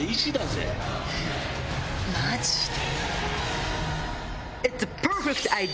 マジで？